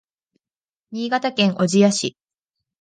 新潟県小千谷市